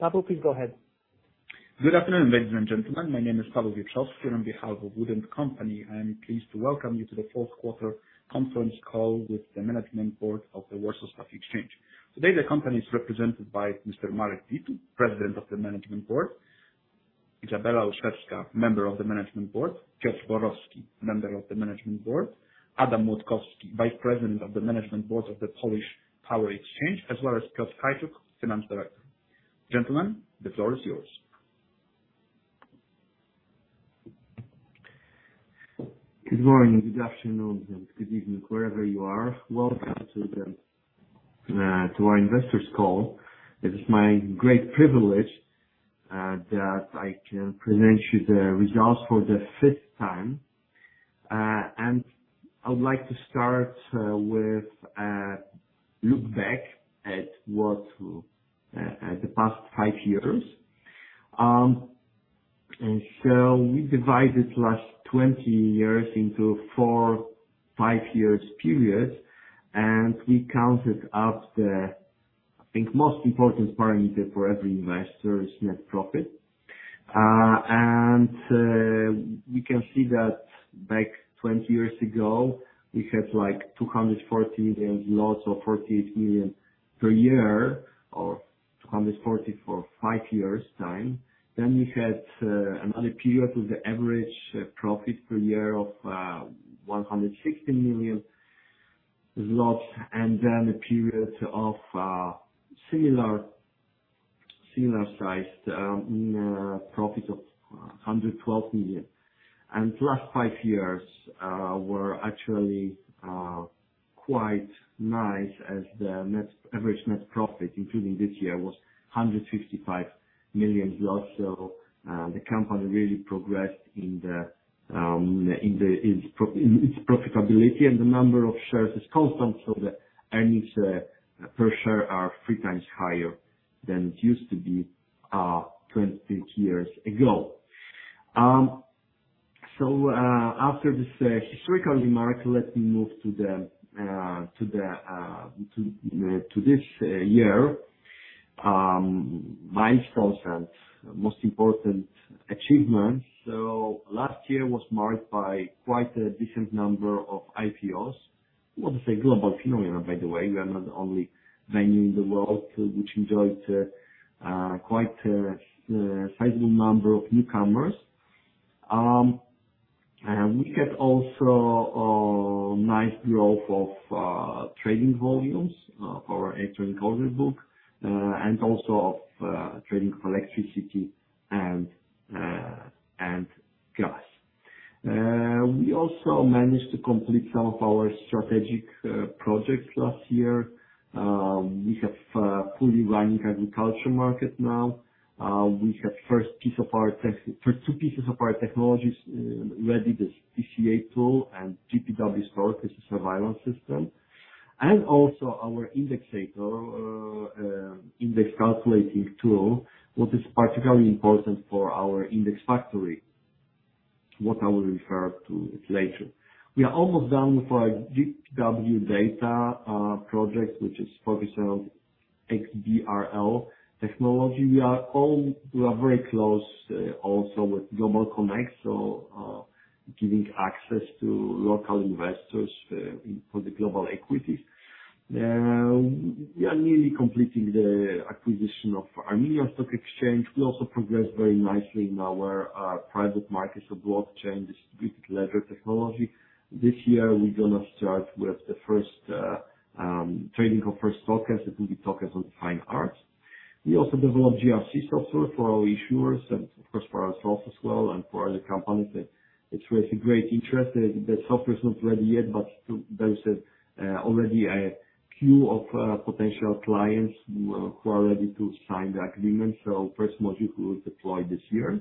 Paweł, please go ahead. Good afternoon, ladies and gentlemen. My name is Paweł Wieprzowski on behalf of Wood & Company. I'm pleased to welcome you to the fourth quarter conference call with the management board of the Warsaw Stock Exchange. Today, the company is represented by Mr. Marek Dietl, President of the Management Board; Izabela Olszewska, Member of the Management Board; Piotr Borowski, Member of the Management Board; Adam Młodkowski, Vice-President of the Management Board of the Polish Power Exchange, as well as Piotr Kajczuk, Finance Director. Gentlemen, the floor is yours. Good morning, good afternoon, and good evening, wherever you are. Welcome to our investors call. It is my great privilege that I can present you the results for the fifth time. I would like to start with a look back at the past five years. We divided the last 20 years into four five-year periods, and we counted up the, I think, most important parameter for every investor is net profit. We can see that 20 years ago we had, like, a 240 million loss or 40 million per year or 240 million for five years time. We had another period with the average profit per year of 160 million zlotys loss and then a period of similar sized profit of 112 million. Last five years were actually quite nice as the average net profit, including this year, was PLN 155 million. The company really progressed in its profitability and the number of shares is constant. The earnings per share are 3x higher than it used to be 20 years ago. After this historical remark, let me move to this year milestones and most important achievements. Last year was marked by quite a decent number of IPOs. Want to say global phenomenon, by the way. We are not the only venue in the world which enjoyed quite a sizable number of newcomers. We had also a nice growth of trading volumes for our equity order book, and also of trading for electricity and gas. We also managed to complete some of our strategic projects last year. We have a fully running agriculture market now. We have two pieces of our technologies ready. The TCA tool and GPW STORK, which is a surveillance system. Also our indexator, index calculating tool, which is particularly important for our index factory, what I will refer to it later. We are almost done with our GPW data project, which is focused on XBRL technology. We are all. We are very close also with GlobalConnect. Giving access to local investors for the global equities. We are nearly completing the acquisition of Armenia Stock Exchange. We also progressed very nicely in our private markets of blockchain distributed ledger technology. This year we're gonna start with the first trading of first tokens. It will be tokens on fine arts. We also developed GRC software for our issuers and of course for ourselves as well, and for other companies. It's raised a great interest. The software is not ready yet, but there is already a queue of potential clients who are ready to sign the agreement. First module will deploy this year.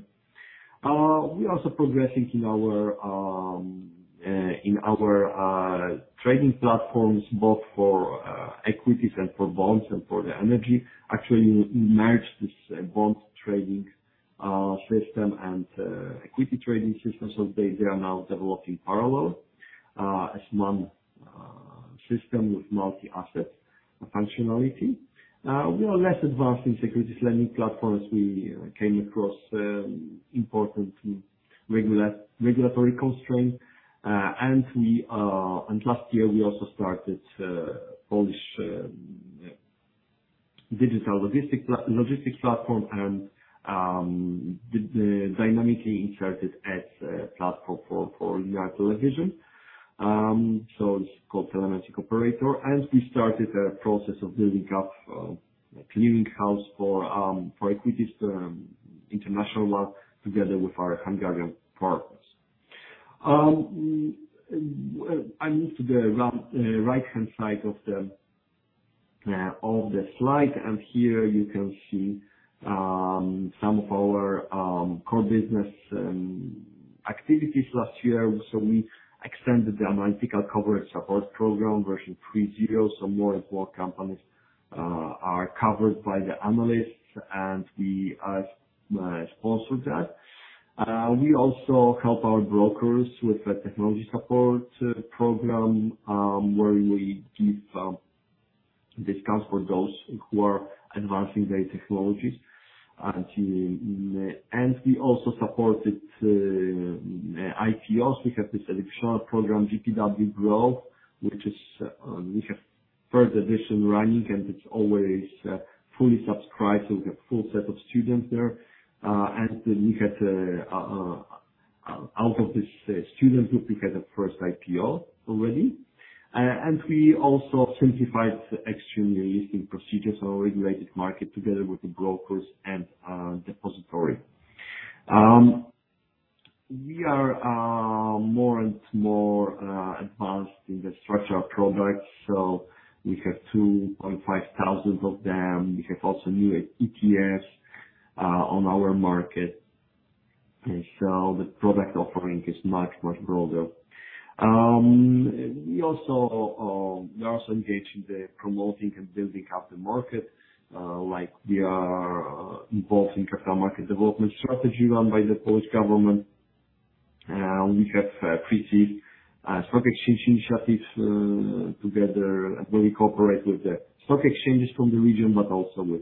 We're also progressing in our trading platforms both for equities and for bonds and for the energy. Actually we merge this bond trading system and equity trading system. They are now developing parallel as one system with multi-asset functionality. We are less advanced in securities lending platforms. We came across important regulatory constraints. Last year we also started Polish Digital Logistics platform and the dynamically inserted ads platform for your television. It's called Telemetria Operator. We started a process of building up clearing house for equities international one together with our Hungarian partners. Well I move to the right-hand side of the slide, and here you can see some of our core business activities last year. We extended the Analytical Coverage Support Program 3.0. More and more companies are covered by the analysts and we are sponsoring that. We also help our brokers with the technology support program, where we give discounts for those who are advancing their technologies. We also supported IPOs. We have this additional program, GPW Grow, which is we have third edition running, and it's always fully subscribed, so we have full set of students there. We had out of this student group we had a first IPO already. We also simplified the alternative listing procedures for our regulated market together with the brokers and depository. We are more and more advanced in the structured products. We have 2,500 of them. We have also new ETFs on our market. The product offering is much, much broader. We also engage in the promoting and building up the market, like we are involved in capital market development strategy run by the Polish government. We have three big stock exchange initiatives together where we cooperate with the stock exchanges from the region but also with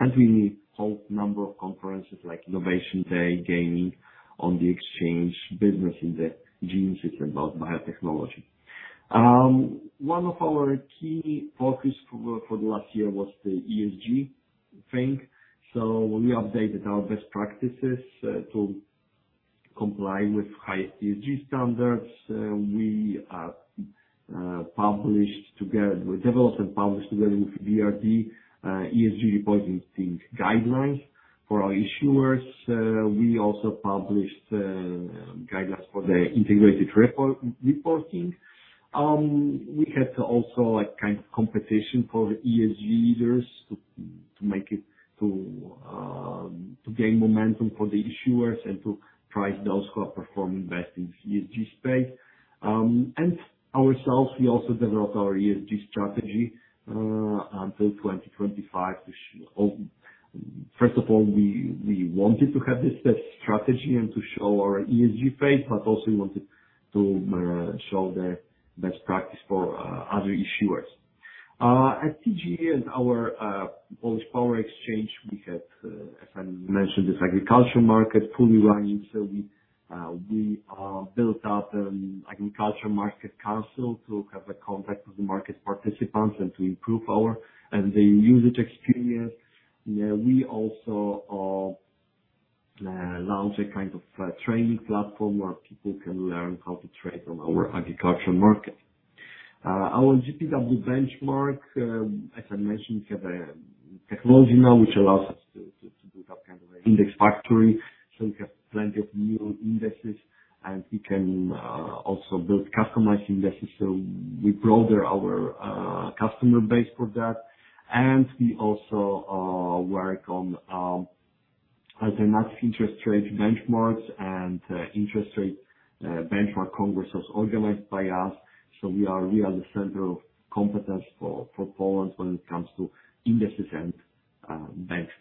EBRD. We hold number of conferences like Innovation Day, Gaming on the Exchange, Business in the Genes, it's about biotechnology. One of our key focus for the last year was the ESG thing. We updated our best practices to comply with high ESG standards. We developed and published together with EBRD ESG reporting guidelines for our issuers. We also published guidelines for the integrated reporting. We had a kind of competition for the ESG leaders to gain momentum for the issuers and to prize those who are performing best in the ESG space. Ourselves, we also developed our ESG strategy until 2025. First of all, we wanted to have this set strategy and to show our ESG faith, but also we wanted to show the best practice for other issuers. At TGE and our Polish Power Exchange, we had, as I mentioned, this agriculture market fully running. We built up agriculture market council to have a contact with the market participants and to improve our end-user experience. We also launched a kind of a training platform where people can learn how to trade on our agriculture market. Our GPW Benchmark, as I mentioned, we have a technology now which allows us to build up kind of a index factory. We have plenty of new indexes, and we can also build customized indexes. We grow our customer base for that. We also work on interest rate benchmarks and an interest rate benchmark congress was organized by us. We are the center of competence for Poland when it comes to indexes and benchmarks.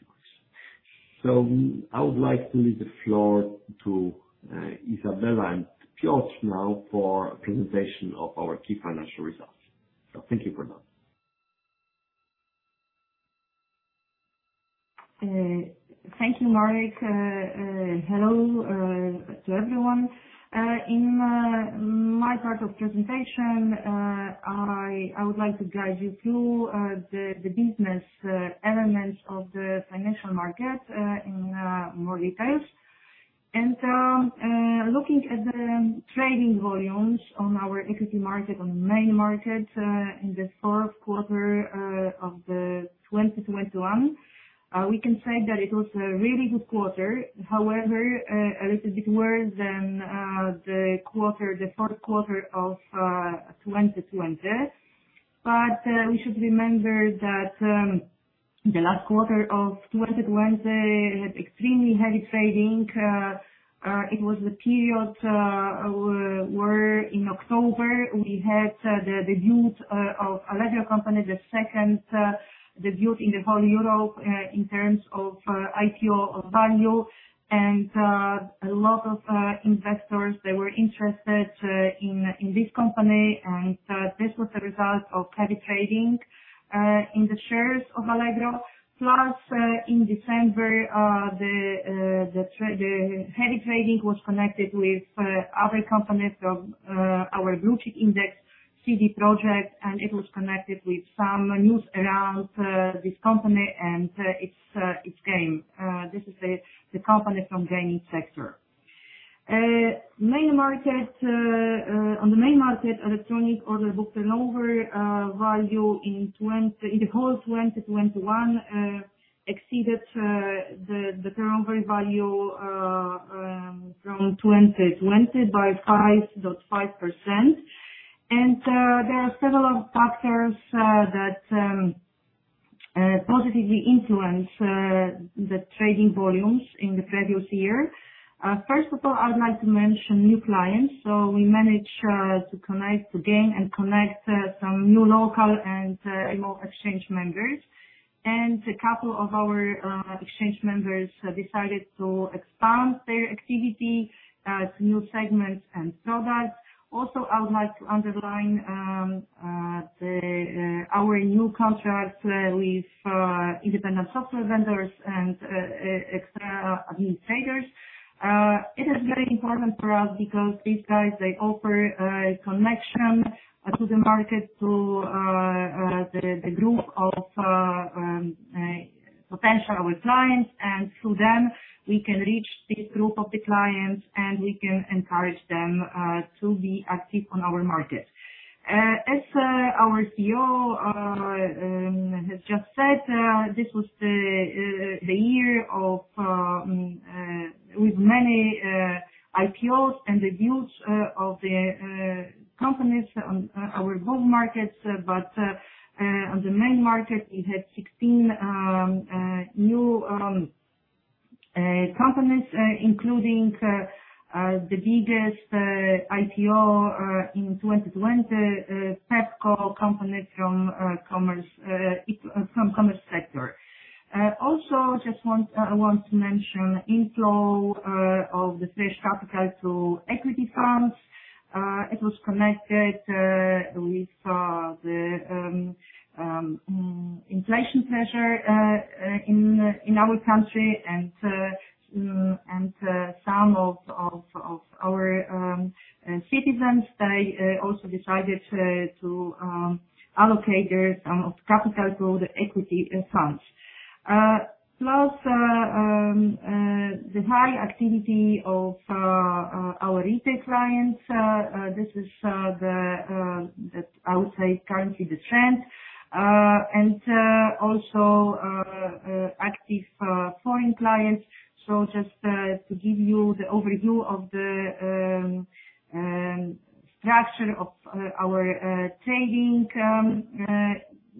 I would like to leave the floor to Izabela and Piotr now for a presentation of our key financial results. Thank you for that. Thank you, Marek. Hello to everyone. In my part of presentation, I would like to guide you through the business elements of the financial market in more details. Looking at the trading volumes on our equity market, on the main market, in the fourth quarter of 2021, we can say that it was a really good quarter, however, a little bit worse than the fourth quarter of 2020. We should remember that the last quarter of 2020 had extremely heavy trading. It was the period where in October we had the debut of Allegro company, the second debut in the whole Europe in terms of IPO of value. A lot of investors they were interested in this company, and this was a result of heavy trading in the shares of Allegro. Plus, in December, the heavy trading was connected with other companies of our blue-chip index, CD Projekt, and it was connected with some news around this company and its game. This is the company from Gaming sector. On the main market, electronic order book turnover value in the whole 2021 exceeded the turnover value from 2020 by 5.5%. There are several factors that positively influence the trading volumes in the previous year. First of all, I would like to mention new clients. We managed to connect again and some new local and remote exchange members. A couple of our exchange members have decided to expand their activity to new segments and products. Also, I would like to underline our new contracts with independent software vendors and external administrators. It is very important for us because these guys, they offer connection to the market to the group of potential clients. Through them, we can reach this group of the clients, and we can encourage them to be active on our market. As our CEO has just said, this was the year with many IPOs and debuts of the companies on our growth markets. On the main market, we had 16 new companies, including the biggest IPO in 2020. Pepco company from the commerce sector. Also want to mention inflow of the fresh capital to equity funds. It was connected with the inflation pressure in our country. Some of our citizens, they also decided to allocate some of their capital to the equity funds. Plus the high activity of our retail clients. This is, I would say, the current trend. And also active foreign clients. Just to give you the overview of the structure of our trading.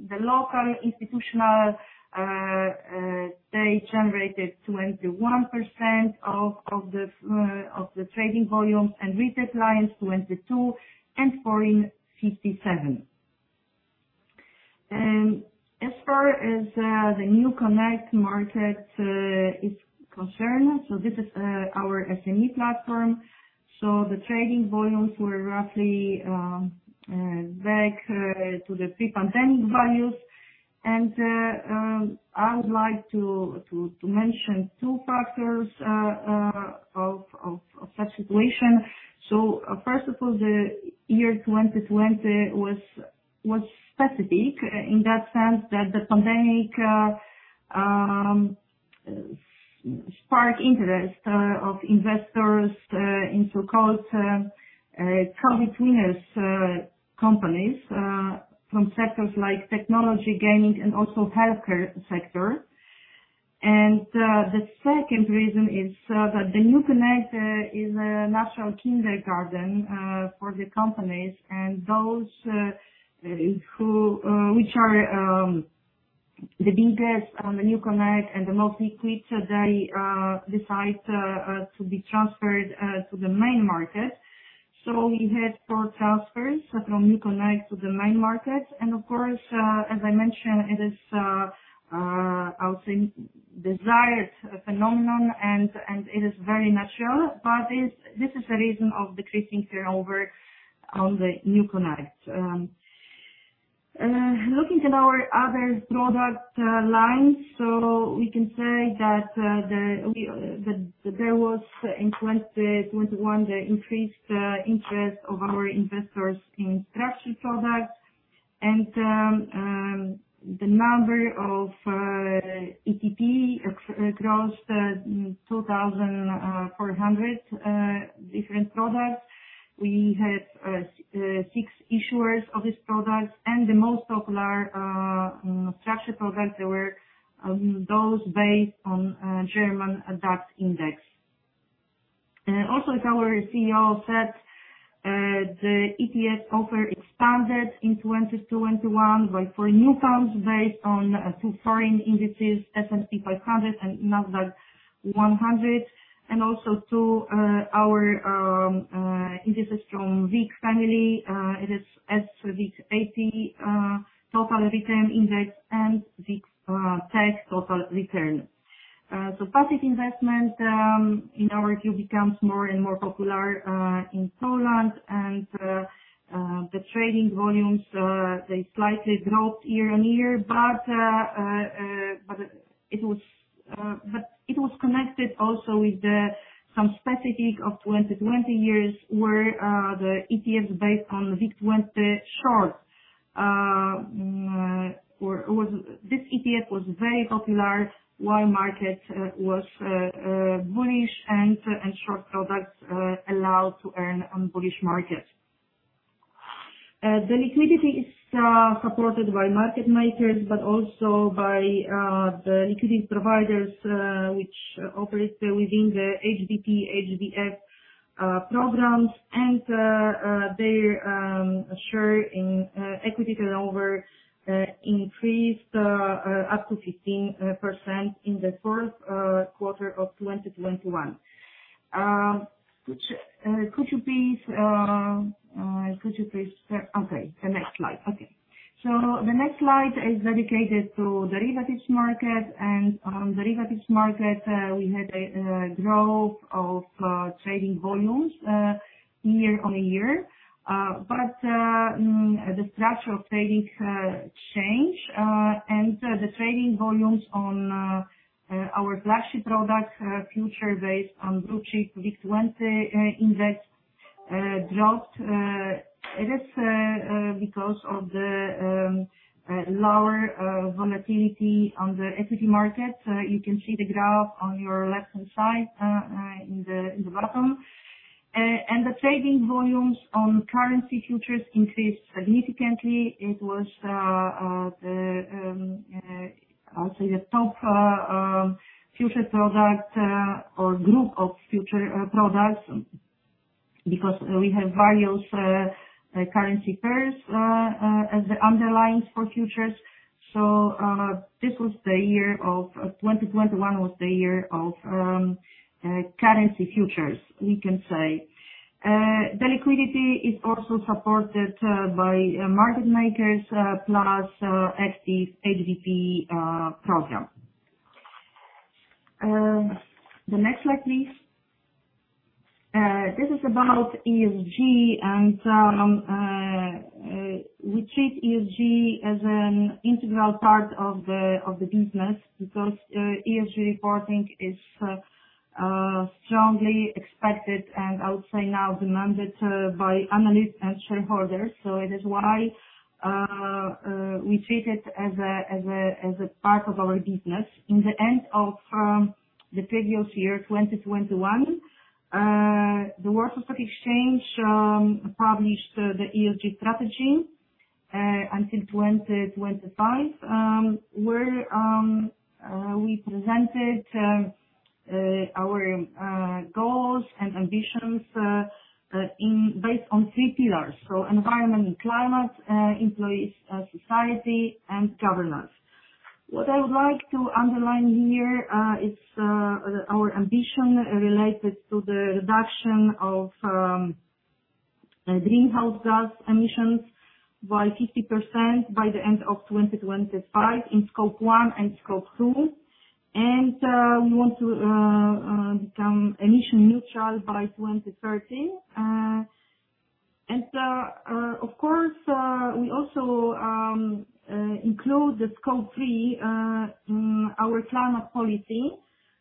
The local institutional they generated 21% of the trading volumes, and retail clients 22%, and foreign 57%. As far as the NewConnect market is concerned, this is our SME platform. The trading volumes were roughly back to the pre-pandemic values. I would like to mention two factors of such situation. First of all, the year 2020 was specific in that sense that the pandemic sparked interest of investors in so-called Covid winners, companies from sectors like technology, gaming and also healthcare sector. The second reason is that the NewConnect is a natural kindergarten for the companies and those which are the biggest on the NewConnect and the most liquid. They decide to be transferred to the main market. We had four transfers from NewConnect to the main market. Of course, as I mentioned, it is I would say desired phenomenon and it is very natural. This is the reason of decreasing turnover on the NewConnect. Looking at our other product lines, so we can say that there was in 2021 the increased interest of our investors in structured products. The number of ETP across 2,400 different products. We have six issuers of these products. The most popular structured products were those based on German DAX index. Also as our CEO said, the ETF offer expanded in 2021 by four new funds based on two foreign indices, S&P 500 and Nasdaq-100. Also two of our indices from WIG family. It is sWIG80 Total Return Index and WIGtech Total Return. Passive investment, in our view, becomes more and more popular in Poland. The trading volumes slightly dropped year on year. It was connected also with some specific of 2020, where the ETF based on WIG20 Short was... This ETF was very popular while the market was bullish and short products allowed to earn on bullish markets. The liquidity is supported by market makers, but also by the liquidity providers which operate within the HVP programs and their share in equity turnover increased up to 15% in the fourth quarter of 2021. Okay. The next slide is dedicated to the derivatives market. On the derivatives market, we had a growth of trading volumes year on year. The structure of trading changed. The trading volumes on our flagship product, futures based on WIG20 Index, dropped. It is because of the lower volatility on the equity market. You can see the graph on your left-hand side in the bottom. The trading volumes on currency futures increased significantly. It was the top future product or group of future products. Because we have various currency pairs as the underlying for futures. 2021 was the year of currency futures, we can say. The liquidity is also supported by market makers, plus active HVP program. The next slide, please. This is about ESG and we treat ESG as an integral part of the business because ESG reporting is strongly expected and I would say now demanded by analysts and shareholders. It is why we treat it as a part of our business. At the end of the previous year, 2021, the Warsaw Stock Exchange published the ESG strategy until 2025, where we presented our goals and ambitions based on three pillars. Environment and climate, employees and society, and governance. What I would like to underline here is our ambition related to the reduction of greenhouse gas emissions by 50% by the end of 2025 in Scope 1 and Scope 2. We want to become emission neutral by 2030. Of course, we also include the Scope 3 our climate policy.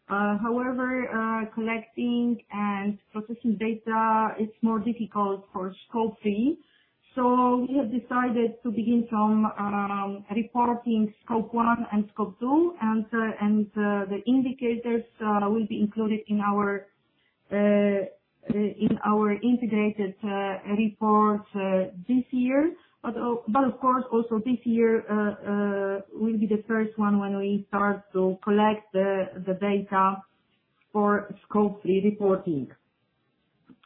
However, collecting and processing data is more difficult for Scope 3. We have decided to begin from reporting Scope 1 and Scope 2 and the indicators will be included in our integrated report this year. Of course, also this year will be the first one when we start to collect the data for Scope 3 reporting.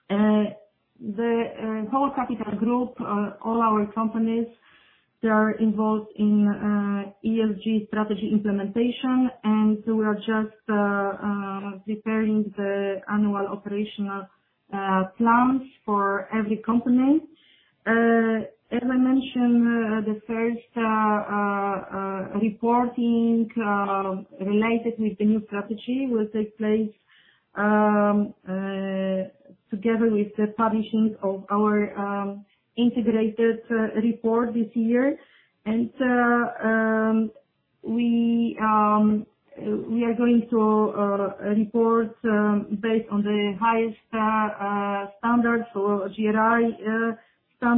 The whole capital group, all our companies, they are involved in ESG strategy implementation. We are just preparing the annual operational plans for every company. As I mentioned, the first reporting related with the new strategy will take place together with the publishing of our integrated report this year. We are going to report based on the highest standards or GRI standards. We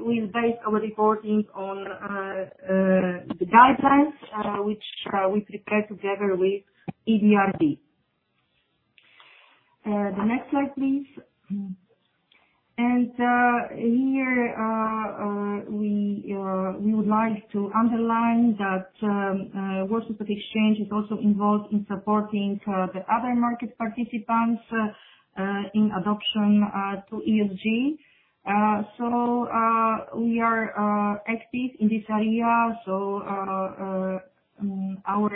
will base our reporting on the guidelines which we prepared together with EBRD. The next slide, please. We would like to underline that Warsaw Stock Exchange is also involved in supporting the other market participants in adapting to ESG. We are active in this area. Our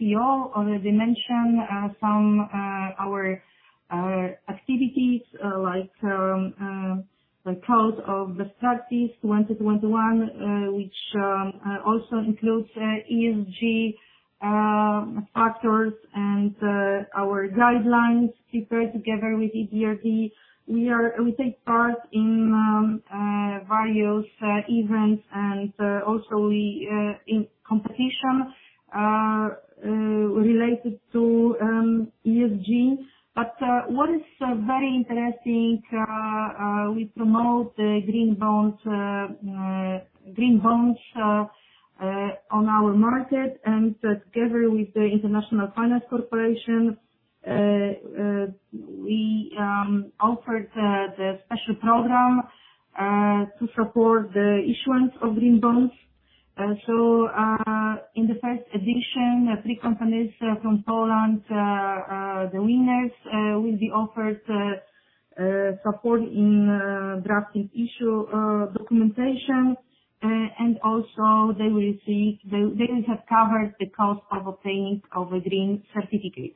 CEO already mentioned some of our activities like the Code of Best Practice 2021, which also includes ESG factors and our guidelines prepared together with EBRD. We take part in various events and also in competitions related to ESG. What is very interesting, we promote green bonds on our market. Together with the International Finance Corporation, we offered the special program to support the issuance of green bonds. In the first edition, three companies from Poland, the winners, will be offered support in drafting issue documentation. Also they will have covered the cost of obtaining of a green certificate.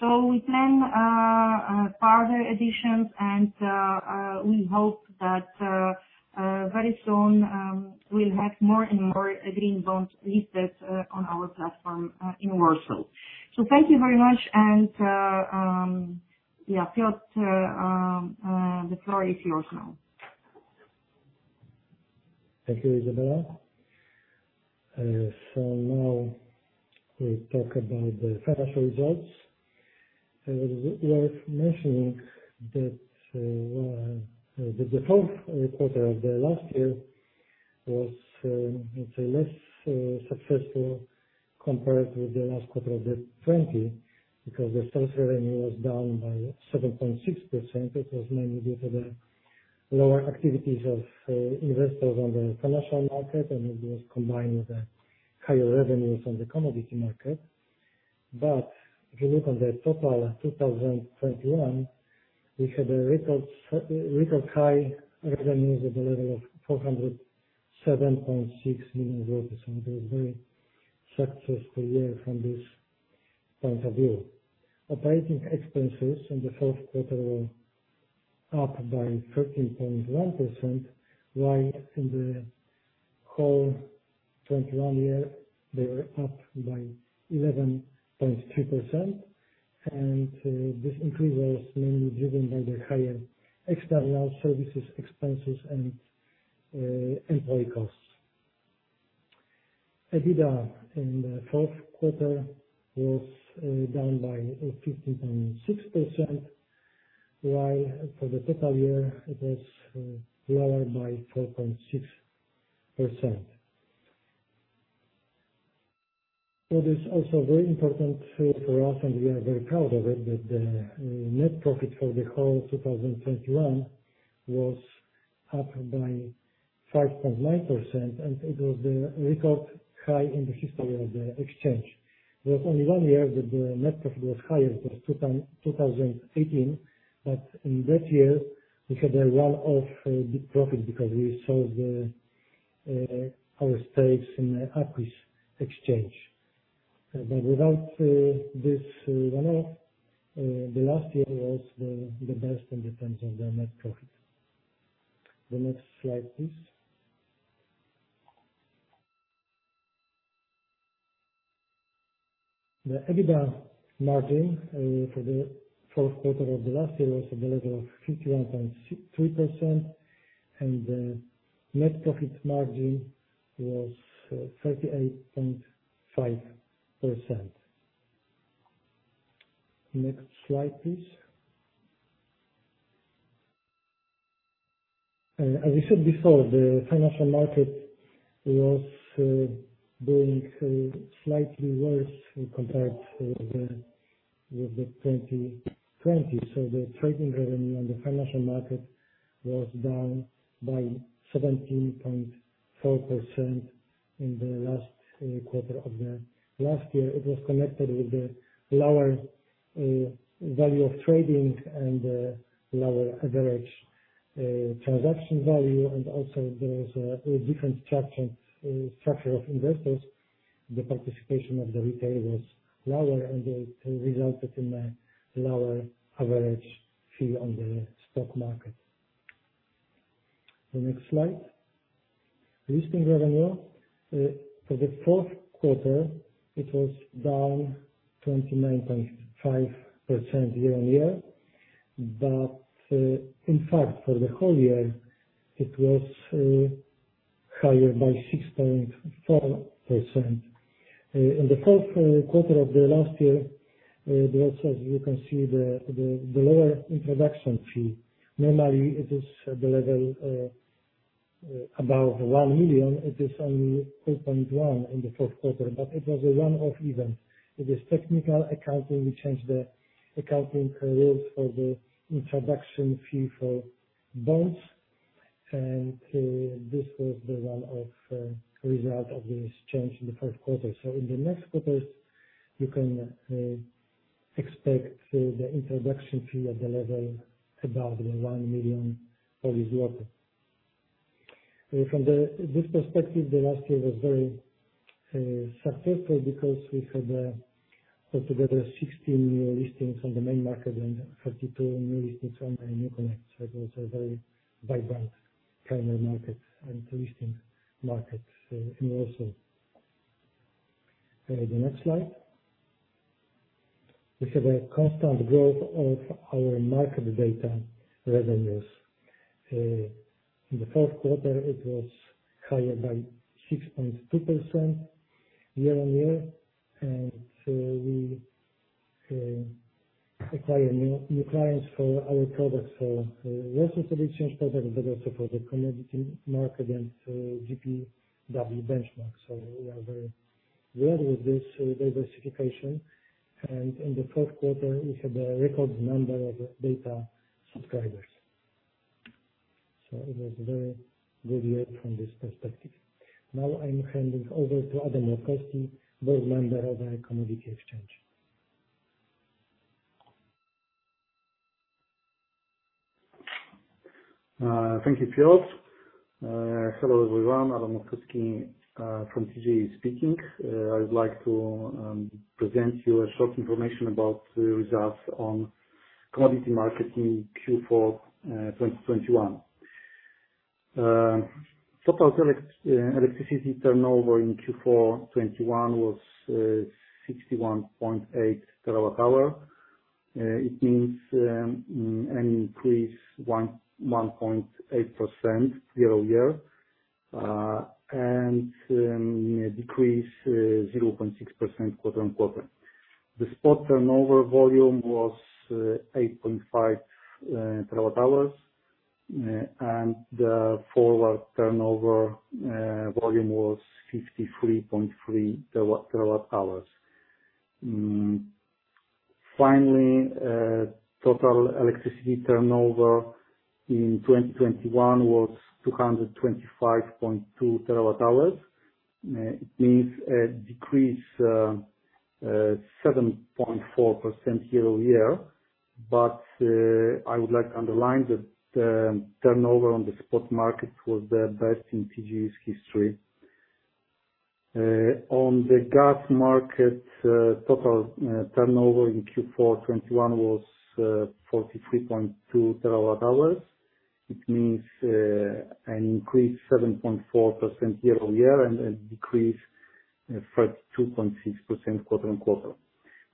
We plan further editions and we hope that very soon, we'll have more and more green bonds listed on our platform in Warsaw. Thank you very much. Yeah, Piotr, the floor is yours now. Thank you, Izabela. Now we talk about the financial results. Worth mentioning that the fourth quarter of the last year was, let's say less successful compared with the last quarter of the 2020, because the trading revenue was down by 7.6%. It was mainly due to the lower activities of investors on the commercial market, and it was combined with the higher revenues on the commodity market. If you look on the total 2021, we had a record high revenues at the level of PLN 407.6 million. So it was very successful year from this point of view. Operating expenses in the fourth quarter were up by 13.1%, while in the whole 2021 year they were up by 11.3%. This increase was mainly driven by the higher external services expenses and employee costs. EBITDA in the fourth quarter was down by 15.6%, while for the total year it was lower by 4.6%. What is also very important for us, and we are very proud of it, that the net profit for the whole 2021 was up by 5.9% and it was the record high in the history of the exchange. There was only one year that the net profit was higher. It was 2018, but in that year we had a one-off big profit because we sold our stakes in Aquis Exchange. Without this one-off, the last year was the best in terms of the net profit. The next slide, please. The EBITDA margin for the fourth quarter of the last year was at the level of 51.3%, and the net profit margin was 38.5%. Next slide, please. As we said before, the financial market was doing slightly worse as compared with the 2020. The trading revenue on the financial market was down by 17.4% in the last quarter of the last year. It was connected with the lower value of trading and lower average transaction value. There was a different structure of investors. The participation of the retail was lower and it resulted in a lower average fee on the stock market. The next slide. Listing revenue for the fourth quarter, it was down 29.5% year-over-year, but in fact for the whole year it was higher by 6.4%. In the fourth quarter of the last year, there was, as you can see, the lower introduction fee. Normally it is at the level about 1 million. It is only 8.1 in the fourth quarter, but it was a one-off event. It is technical accounting. We changed the accounting rules for the introduction fee for bonds and this was the one-off result of this change in the fourth quarter. In the next quarters you can expect the introduction fee at the level about 1 million. From this perspective, the last year was very successful because we had put together 16 new listings on the main market and 32 new listings on the NewConnect. It was a very vibrant primary market and listing market in Warsaw. The next slide. We have a constant growth of our market data revenues. In the fourth quarter it was higher by 6.2% year-on-year. We acquire new clients for our products for licensed exchange product, but also for the commodity market and GPW Benchmark. We are very glad with this diversification. In the fourth quarter we had a record number of data subscribers. It was a very good year from this perspective. Now I'm handing over to Adam Młodkowski, Board Member of the Commodity Exchange. Thank you, Piotr. Hello, everyone. Adam Młodkowski from TGE speaking. I would like to present you a short information about the results on commodity market in Q4 2021. Total electricity turnover in Q4 2021 was 61.8 TWh. It means an increase 1.8% year-over-year and a decrease 0.6% quarter-on-quarter. The spot turnover volume was 8.5 TWh and the forward turnover volume was 53.3 TWh. Finally, total electricity turnover in 2021 was 225.2 TWh. It means a decrease 7.4% year-over-year. I would like to underline that the turnover on the spot market was the best in TGE's history. On the gas market, total turnover in Q4 2021 was 43.2 TWh It means an increase of 7.4% year-over-year and a decrease of 2.6% quarter-over-quarter.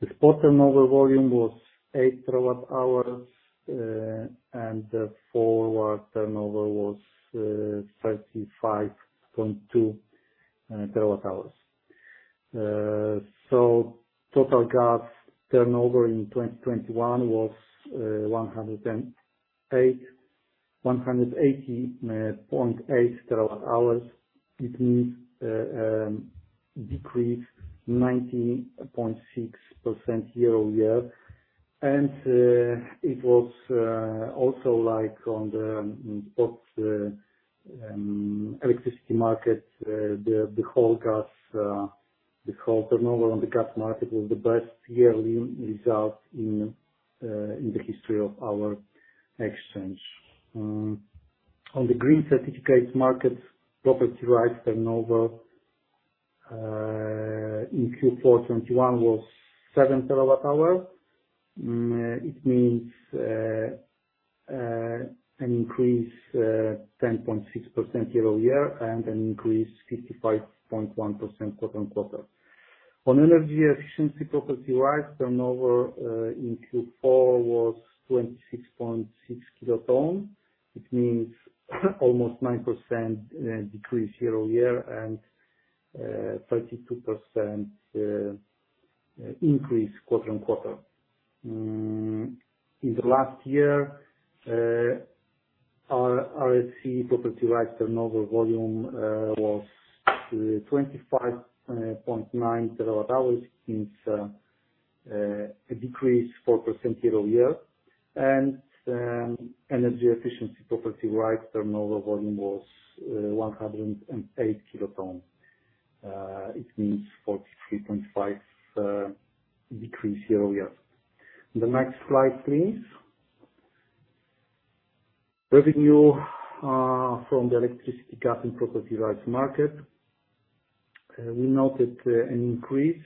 The spot turnover volume was 8 terawatt-hours and the forward turnover was 35.2 TWh. Total gas turnover in 2021 was 180.8 TWh, which means a decrease of 90.6% year-over-year. It was also like on the spot electricity market, the whole turnover on the gas market was the best yearly result in the history of our exchange. On the green certificates markets, property rights turnover in Q4 2021 was 7 TWh. It means an increase 10.6% year-over-year, and an increase 55.1% quarter-on-quarter. On energy efficiency property rights turnover in Q4 was 26.6 kt. It means almost 9% decrease year-over-year and 32% increase quarter-on-quarter. In the last year our RES property rights turnover volume was 25.9 TWh. It means a decrease 4% year-over-year. Energy efficiency property rights turnover volume was 108 kt. It means 43.5% decrease year-over-year. The next slide, please. Revenue from the electricity, gas, and property rights market. We noted an increase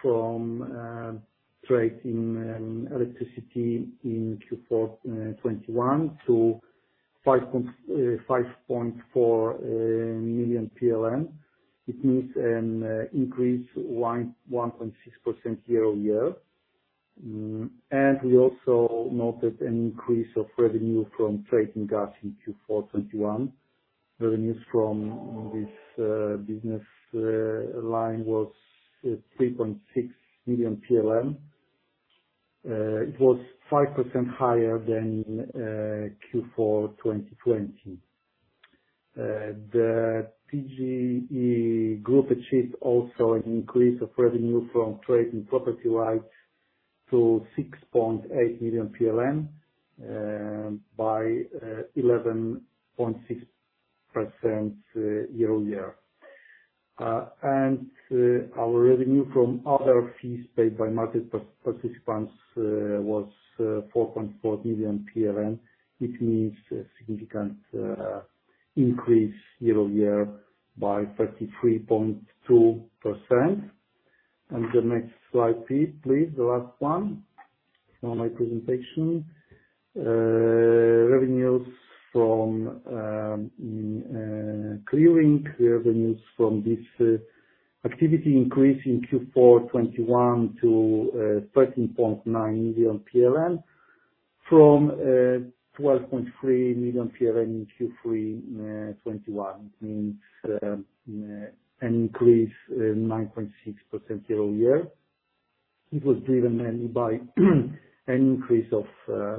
from trade in electricity in Q4 2021 to 5.4 million. It means an increase 1.6% year-over-year. We also noted an increase of revenue from trade in gas in Q4 2021. Revenues from this business line was 3.6 million. It was 5% higher than Q4 2020. The TGE group achieved also an increase of revenue from trade in property rights to 6.8 million PLN by 11.6% year-over-year. Our revenue from other fees paid by market participants was 4.4 million PLN, which means a significant increase year-over-year by 33.2%. The next slide, please. The last one for my presentation. Revenues from clearing. Revenues from this activity increased in Q4 2021 to 13.9 million from 12.3 million in Q3 2021. Means an increase 9.6% year-over-year. It was driven mainly by an increase of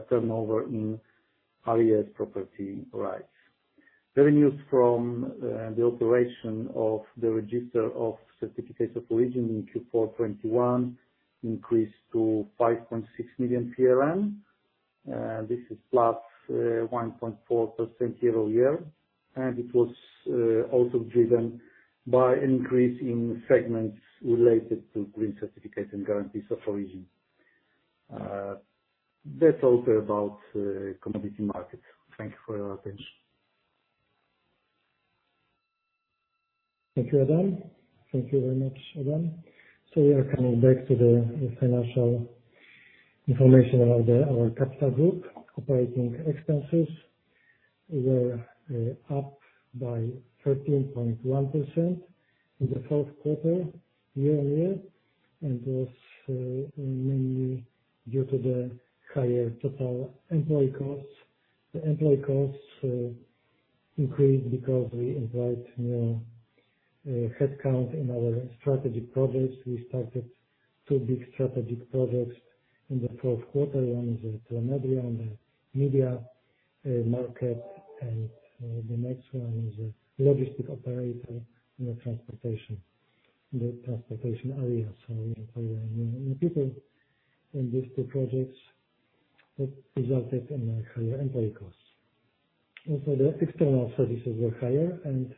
turnover in areas property rights. Revenues from the operation of the register of certificates of origin in Q4 2021 increased to 5.6 million. This is +1.4% year-over-year, and it was also driven by increase in segments related to green certificates and guarantees of origin. That's all for about commodity markets. Thank you for your attention. Thank you, Adam. Thank you very much, Adam. We are coming back to the financial information about our Capital Group. Operating expenses were up by 13.1% in the fourth quarter year-on-year, and was mainly due to the higher total employee costs. The employee costs increased because we employed more head count in our strategic projects. We started two big strategic projects in the fourth quarter, one is Telemetria Operator on the media market, and the next one is a logistic operator in the transportation area. We employ new people in these two projects that resulted in a higher employee costs. Also, the external services were higher, and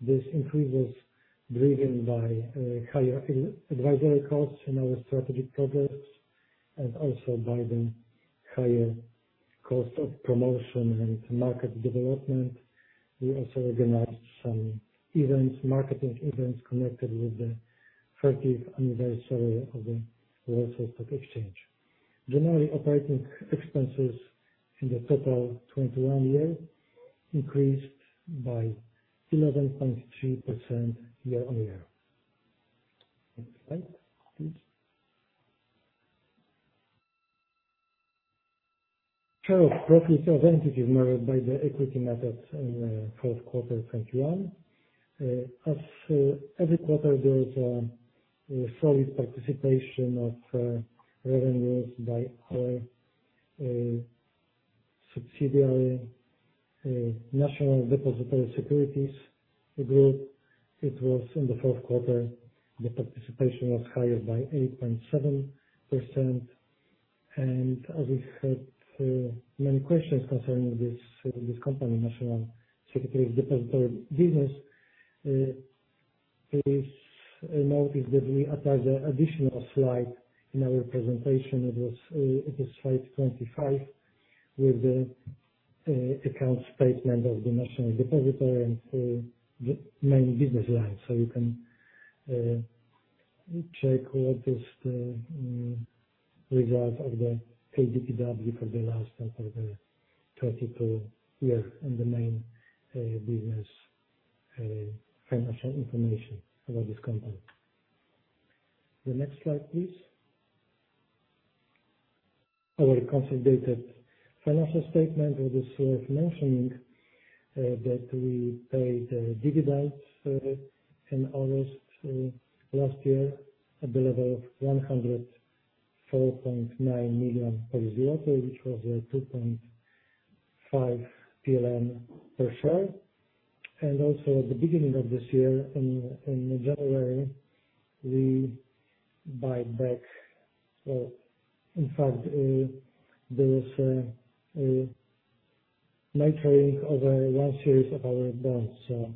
this increase was driven by higher e-advisory costs in our strategic projects, and also by the higher cost of promotion and market development. We also organized some events, marketing events connected with the 30th anniversary of the Warsaw Stock Exchange. Generally, operating expenses in the total 2021 year increased by 11.3% year-on-year. Next slide, please. Share of profit of entities measured by the equity methods in the fourth quarter 2021. As every quarter, there is a solid participation of revenues by our subsidiary, National Depository for Securities. It was in the fourth quarter, the participation was higher by 8.7%. As we've had many questions concerning this company, National Depository for Securities, please note that we attached an additional slide in our presentation. It was slide 25 with the account statement of the National Depository for Securities and the main business lines. You can check what is the result of the KDPW for the last and for the 2022 year and the main business financial information about this company. The next slide, please. Our consolidated financial statement. It is worth mentioning that we paid dividends in August last year at the level of 104.9 million which was 2.5 PLN per share. Also at the beginning of this year, in January, in fact, there was a maturing of one series of our bonds.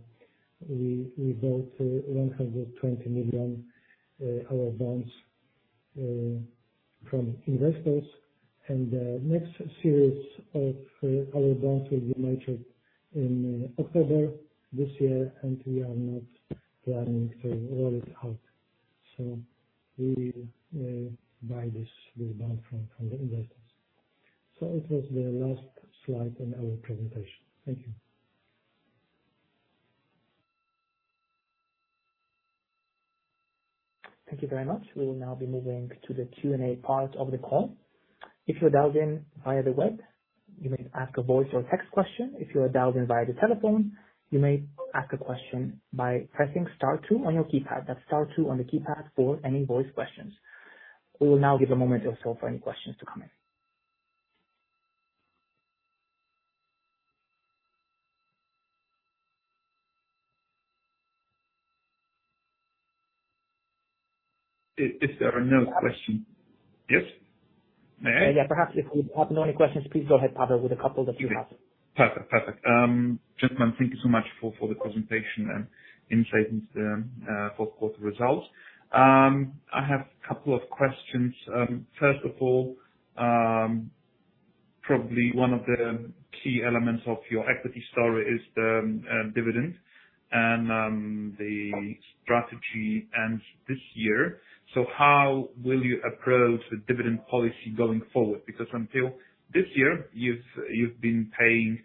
We bought 120 million our bonds from investors. The next series of our bonds will be matured in October this year, and we are not planning to roll it out. We will buy this bond from the investors. It was the last slide in our presentation. Thank you. Thank you very much. We will now be moving to the Q&A part of the call. If you're dialed in via the web, you may ask a voice or text question. If you are dialed in via the telephone, you may ask a question by pressing Star two on your keypad. That's star two on the keypad for any voice questions. We will now give a moment or so for any questions to come in. If there are no questions. Yes? May I? Yeah. Perhaps if you happen to have any questions, please go ahead, Paweł, with a couple that you have. Perfect. Gentlemen, thank you so much for the presentation and insight into the fourth quarter results. I have a couple of questions. First of all, probably one of the key elements of your equity story is the dividend and the strategy ends this year. How will you approach the dividend policy going forward? Because until this year, you've been paying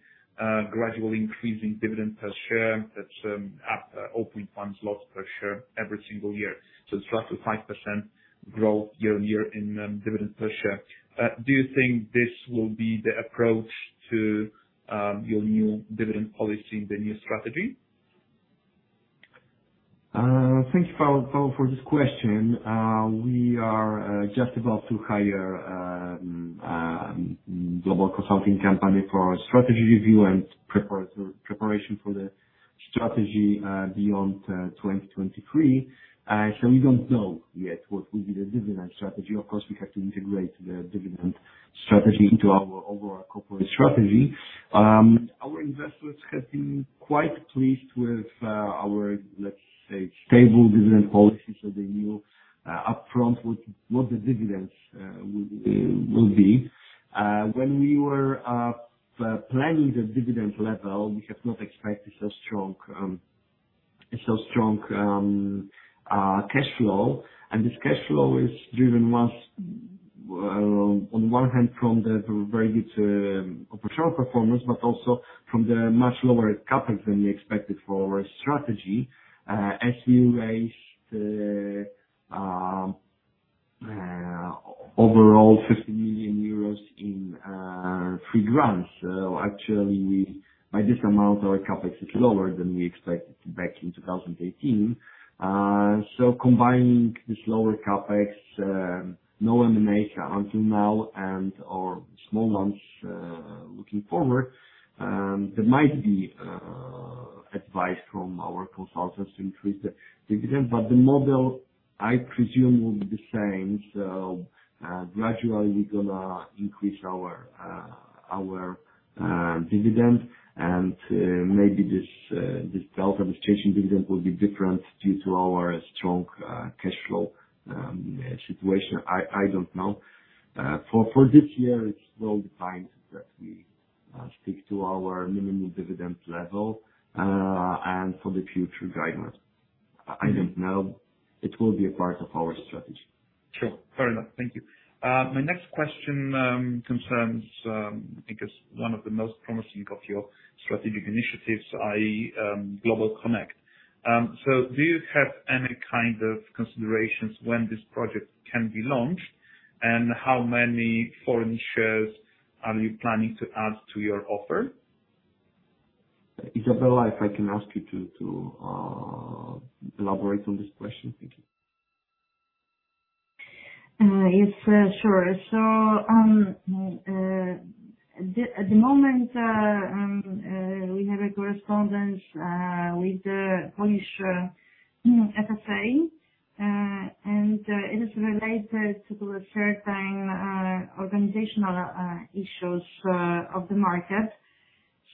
gradually increasing dividend per share. That's after 0.1 zlotys per share every single year. It's roughly 5% growth year-on-year in dividend per share. Do you think this will be the approach to your new dividend policy in the new strategy? Thank you, Paweł, for this question. We are just about to hire a global consulting company for strategy review and preparation for the strategy beyond 2023. We don't know yet what will be the dividend strategy. Of course, we have to integrate the dividend strategy into our overall corporate strategy. Our investors have been quite pleased with our, let's say, stable dividend policy, so they knew upfront what the dividends will be. When we were planning the dividend level, we had not expected so strong cashflow. This cashflow is driven, on one hand, from the very good operational performance, but also from the much lower CapEx than we expected for our strategy. As you raised overall 50 million euros in free grants. Actually by this amount, our CapEx is lower than we expected back in 2018. Combining this lower CapEx, no M&A until now and/or small loans, looking forward, there might be advice from our consultants to increase the dividend. The model, I presume, will be the same. Gradually we're gonna increase our dividend and maybe this delta distribution dividend will be different due to our strong cash flow situation. I don't know. For this year it's well defined that we stick to our minimum dividend level and for the future guidance. I don't know. It will be a part of our strategy. Sure. Fair enough. Thank you. My next question concerns, I think it's one of the most promising of your strategic initiatives, i.e., GlobalConnect. So do you have any kind of considerations when this project can be launched? And how many foreign shares are you planning to add to your offer? Izabela, if I can ask you to elaborate on this question. Thank you. Yes, sure. At the moment, we have a correspondence with the Polish FSA, and it is related to certain organizational issues of the market.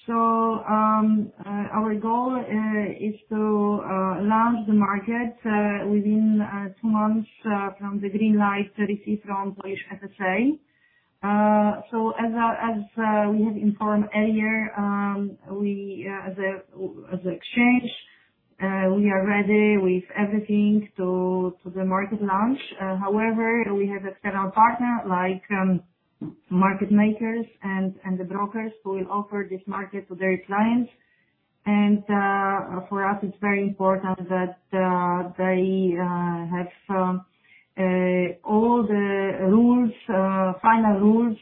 Our goal is to launch the market within two months from the green light that we see from Polish FSA. As we have informed earlier, we, as an exchange, are ready with everything to the market launch. However, we have external partners like market makers and the brokers who will offer this market to their clients. For us it's very important that they have all the final rules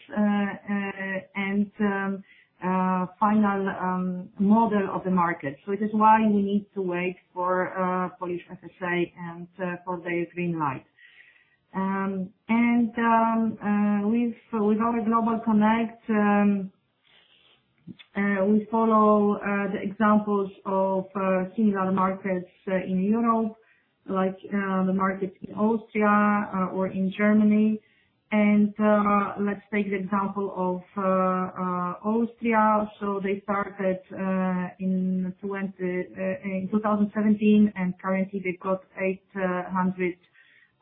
and final model of the market. It is why we need to wait for Polish FSA and for their green light. With our GlobalConnect, we follow the examples of similar markets in Europe, like the market in Austria or in Germany. Let's take the example of Austria. They started in 2017, and currently they've got 800,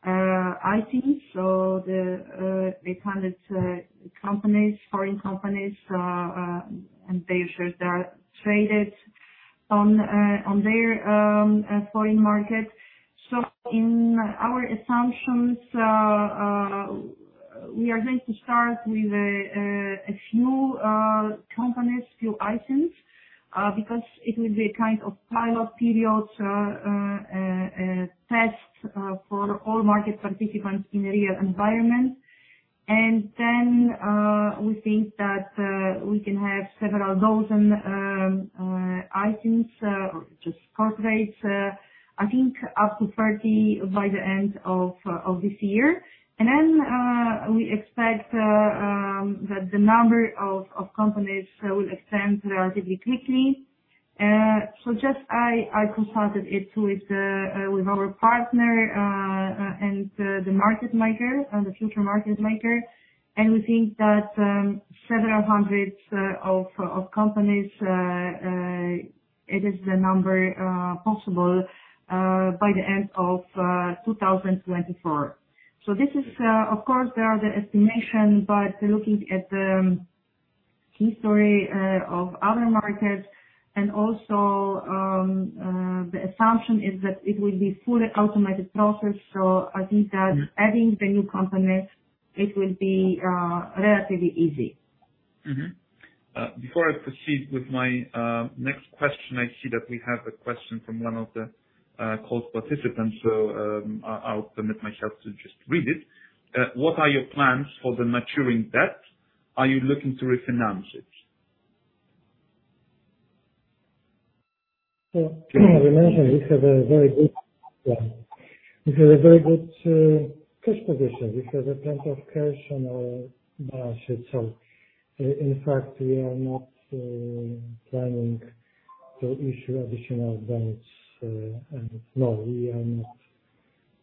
i.e., the 800 foreign companies, and their shares are traded on their foreign market. In our assumptions, we are going to start with a few companies, few items, because it will be a kind of pilot period test for all market participants in the real environment. We think that we can have several dozen items just corporate, I think up to 30 by the end of this year. We expect that the number of companies will expand relatively quickly. I consulted it with our partner and the market maker and the future market maker. We think that several hundred companies it is the number possible by the end of 2024. This is of course they are the estimation, but looking at the history of other markets and also the assumption is that it will be fully automated process. I think that Adding the new companies, it will be relatively easy. Before I proceed with my next question, I see that we have a question from one of the call participants. I'll permit myself to just read it. What are your plans for the maturing debt? Are you looking to refinance it? We mentioned we have a very good plan. We have a very good cash position. We have plenty of cash on our balance sheet. In fact, we are not planning to issue additional bonds, and no, we are not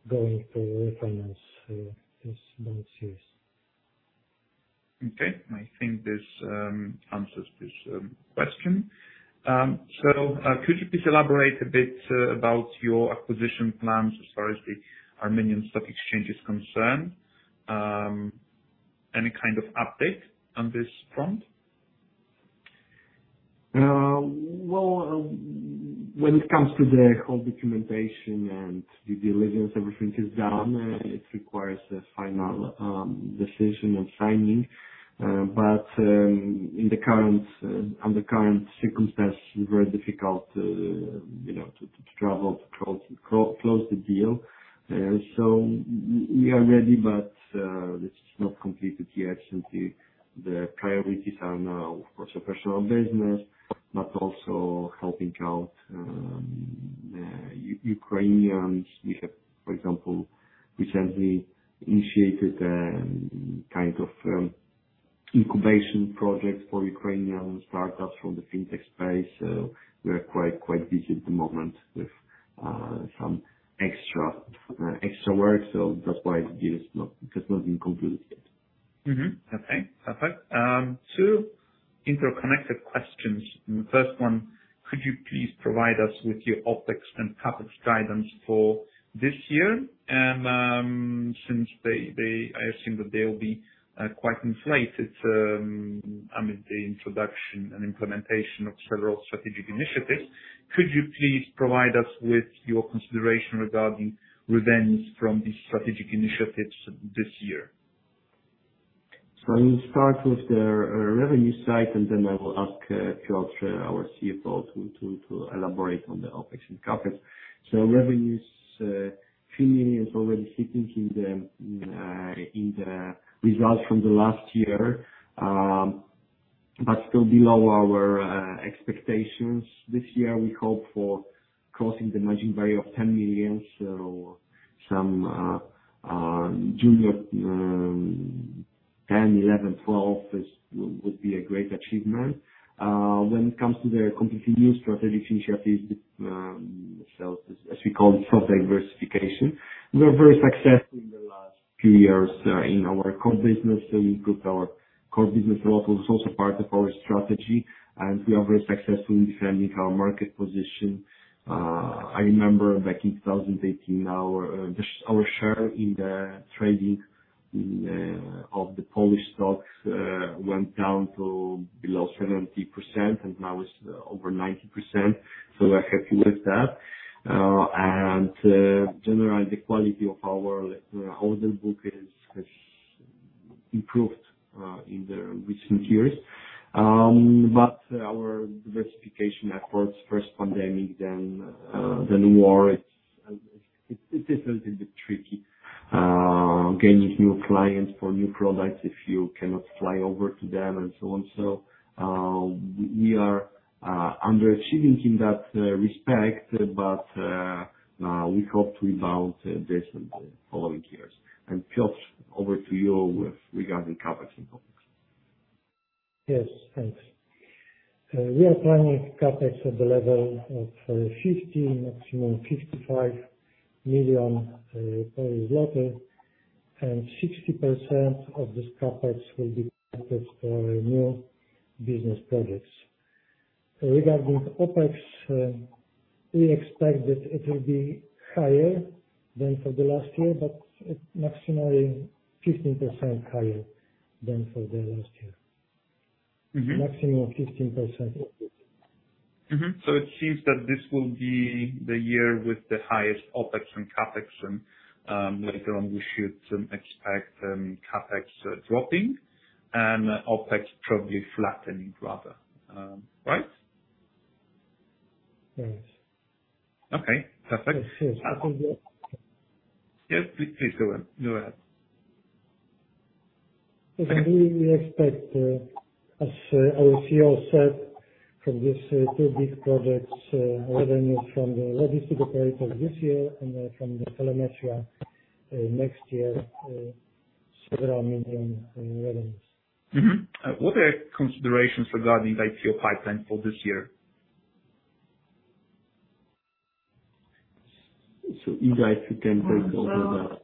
going to refinance this bond series. I think this answers this question. Could you please elaborate a bit about your acquisition plans as far as the Armenia Stock Exchange is concerned? Any kind of update on this front? Well, when it comes to the whole documentation and the due diligence, everything is done. It requires a final decision and signing. Under the current circumstances, it is very difficult, you know, to travel to close the deal. We are ready, but this is not completed yet. The priorities are now, of course, the personal business, but also helping out Ukrainians. We have, for example, recently initiated a kind of incubation project for Ukrainian startups from the fintech space. We are quite busy at the moment with some extra work. That's why the deal has not been concluded yet. Okay. Perfect. Two interconnected questions. The first one, could you please provide us with your OpEx and CapEx guidance for this year? Since they, I assume that they'll be quite inflated amid the introduction and implementation of several strategic initiatives. Could you please provide us with your consideration regarding revenues from these strategic initiatives this year? I will start with the revenue side, and then I will ask Piotr, our CFO, to elaborate on the OpEx and CapEx. Revenues, PLN 3 million is already sitting in the results from the last year, but still below our expectations. This year we hope for crossing the mark of PLN 10 million. PLN 10 million, 11 million, 12 million would be a great achievement. When it comes to the continued strategic initiatives, as we call it, self-diversification, we were very successful in the last few years in our core business. We grew our core business model is also part of our strategy, and we are very successful in defending our market position. I remember back in 2018 our share in the trading of the Polish stocks went down to below 70% and now it's over 90%. We're happy with that. Generally the quality of our order book has improved in the recent years. But our diversification efforts, first the pandemic then the war, it's a little bit tricky gaining new clients for new products if you cannot fly over to them and so on. We are underachieving in that respect, but we hope to rebound this in the following years. Piotr, over to you regarding CapEx and OpEx. Yes. Thanks. We are planning CapEx at the level of 50 million, maximum 55 million. 60% of this CapEx will be for new business projects. Regarding OpEx, we expect that it will be higher than for the last year, but it maximum 15% higher than for the last year. NMaximum 15%. It seems that this will be the year with the highest OpEx and CapEx. Later on we should expect CapEx dropping and OpEx probably flattening rather. Right? Yes. Okay. Perfect. Yeah. Please go on. Go ahead. We will expect, as our CEO said, from these two big projects, revenue from the registry operator this year and from the Telemetria next year, several million PLN in revenues. What are considerations regarding IPO pipeline for this year? Iza, if you can take over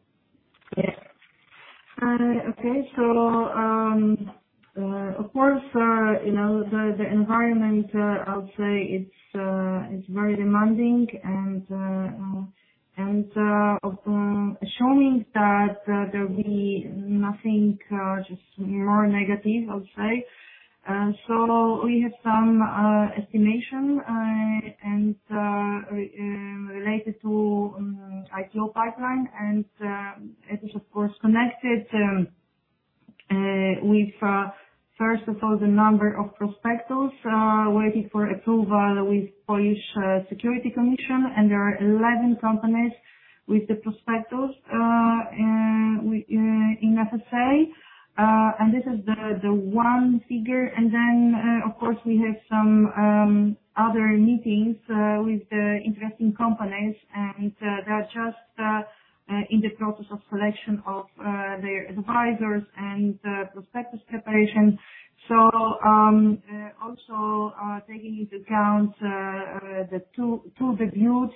that. Of course, you know, the environment, I'll say it's very demanding and showing that there will be nothing but more negative, I'll say. We have some estimations related to IPO pipeline and it is of course connected with first of all the number of prospectuses waiting for approval with Polish Security Commission, and there are 11 companies with the prospectuses in FSA. This is the one figure. Then, of course, we have some other meetings with the interesting companies, and they're just in the process of selection of their advisors and prospectus preparation. Also, taking into account the two debuts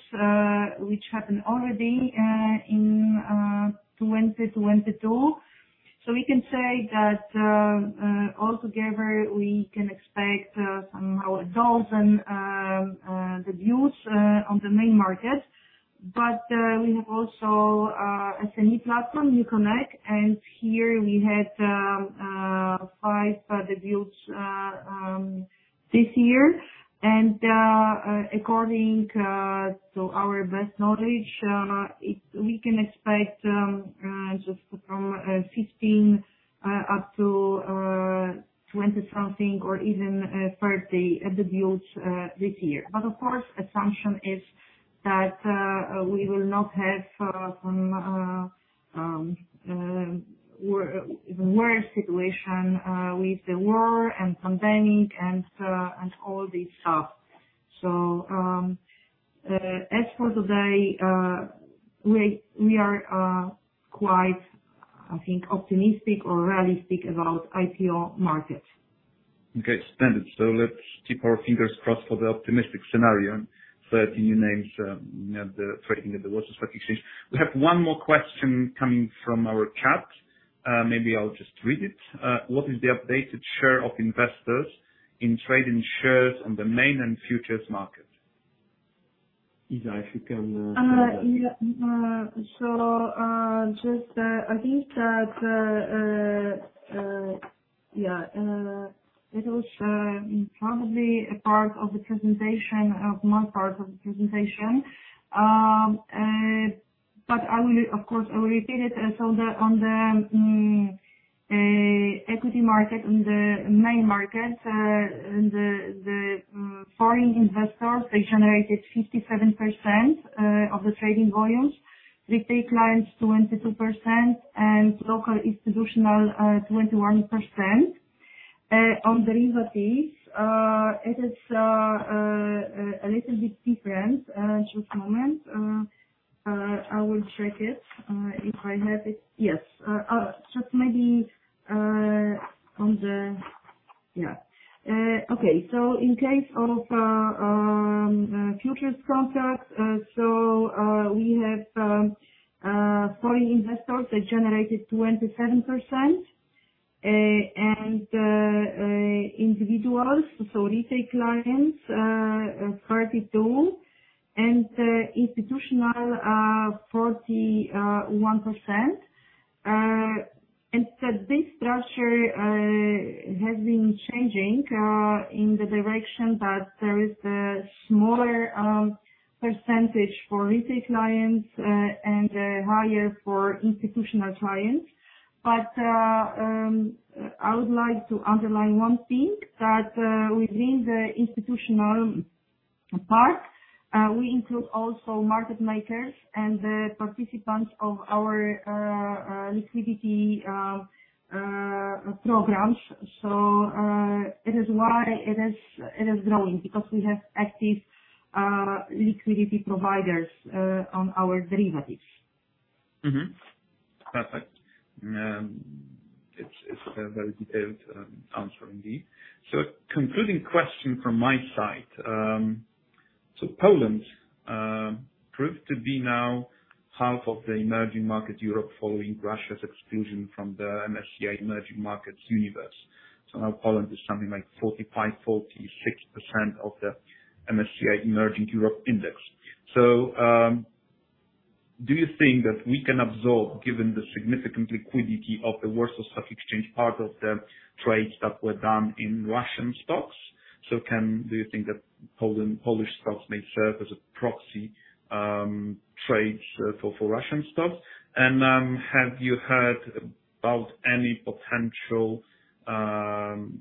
which happened already in 2022. We can say that all together we can expect somehow 12 debuts on the main market. We have also a semi-platform, NewConnect, and here we had five debuts this year. According to our best knowledge, we can expect just from 15 up to 20-something or even 30 debuts this year. Of course, assumption is that we will not have some even worse situation with the war and pandemic and all this stuff. As for today, we are quite, I think, optimistic or realistic about IPO market. Okay. Standard. Let's keep our fingers crossed for the optimistic scenario. 30 new names at the trading of the Warsaw Stock Exchange. We have one more question coming from our chat. Maybe I'll just read it. What is the updated share of investors in trading shares on the main and futures market? Iza, if you can handle that. Yeah, just, I think that yeah, it was probably a part of the presentation or one part of the presentation. But I will, of course, repeat it. On the equity market, on the main market, the foreign investors they generated 57% of the trading volumes. Retail clients, 22%, and local institutional, 21%. On derivatives, it is a little bit different. Just a moment. I will check it if I have it. Yes. Just maybe, on the. Yeah. Okay. In case of futures contracts, we have foreign investors that generated 27%, and individuals, so retail clients, 32%, and institutional, 41%. This structure has been changing in the direction that there is a smaller percentage for retail clients, and higher for institutional clients. I would like to underline one thing, that within the institutional part, we include also market makers and the participants of our liquidity programs. It is why it is growing, because we have active liquidity providers on our derivatives. Perfect. It's a very detailed answer indeed. Concluding question from my side. Poland proved to be now half of the emerging markets Europe, following Russia's exclusion from the MSCI Emerging Markets universe. Now Poland is something like 45-46% of the MSCI Emerging Markets Europe Index. Do you think that we can absorb, given the significant liquidity of the Warsaw Stock Exchange, part of the trades that were done in Russian stocks? Do you think that Poland, Polish stocks may serve as a proxy trades for Russian stocks? Have you heard about any potential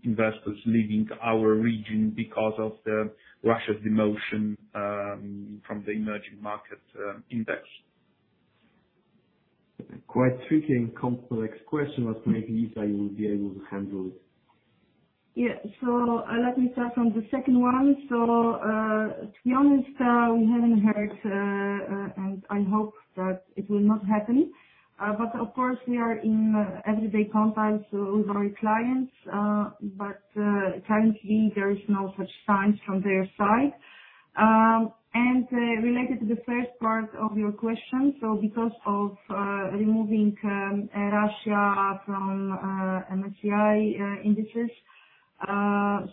investors leaving our region because of Russia's demotion from the emerging markets index? Quite tricky and complex question, but maybe, Iza, you will be able to handle it. Yeah. Let me start from the second one. To be honest, we haven't heard, and I hope that it will not happen. Of course we are in everyday contact with our clients, but currently there is no such signs from their side. Related to the first part of your question. Because of removing Russia from MSCI indices,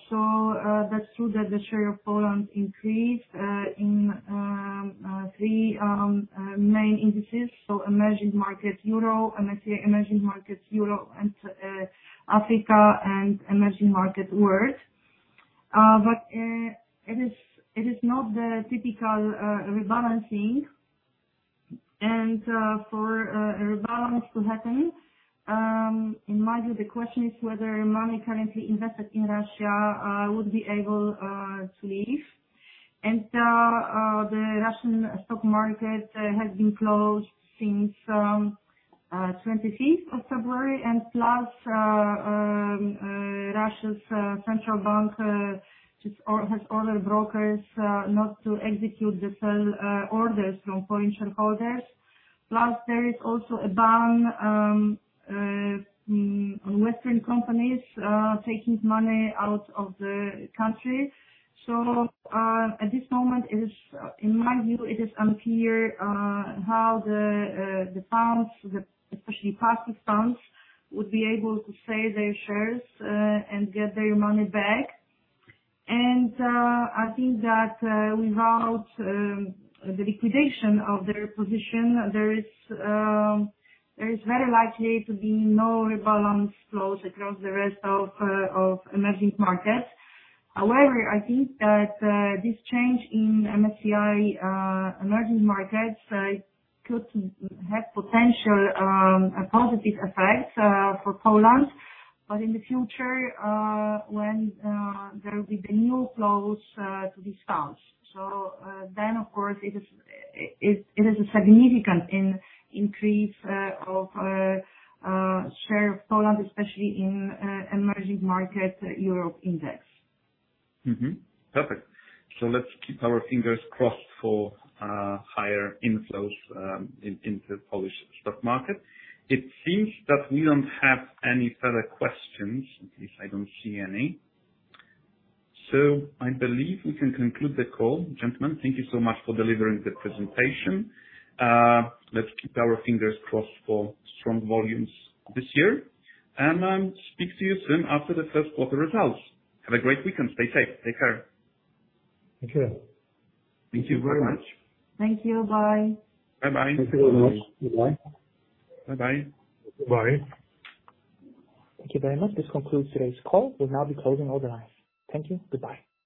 so that's true that the share of Poland increased in three main indices, so Emerging Markets Europe, MSCI Emerging Markets Europe, and Africa and emerging markets world. It is not the typical rebalancing. For a rebalance to happen, in my view, the question is whether money currently invested in Russia would be able to leave. The Russian stock market has been closed since the 25th of February, and Russia's central bank just has ordered brokers not to execute the sell orders from foreign shareholders. There is also a ban on Western companies taking money out of the country. At this moment, in my view, it is unclear how the funds, especially passive funds, would be able to sell their shares and get their money back. I think that without the liquidation of their position, there is very likely to be no rebalance flows across the rest of emerging markets. However, I think that this change in MSCI emerging markets could have potential positive effects for Poland, but in the future when there will be the new flows to these stocks. Then of course it is a significant increase of share of Poland, especially in MSCI Emerging Markets Europe Index. Perfect. Let's keep our fingers crossed for higher inflows into the Polish stock market. It seems that we don't have any further questions. At least I don't see any. I believe we can conclude the call. Gentlemen, thank you so much for delivering the presentation. Let's keep our fingers crossed for strong volumes this year, and I'll speak to you soon after the first quarter results. Have a great weekend. Stay safe. Take care. Take care. Thank you very much. Thank you. Bye. Bye-bye. Thank you very much. Goodbye. Bye-bye. Bye. Thank you very much. This concludes today's call. We'll now be closing all the lines. Thank you. Goodbye.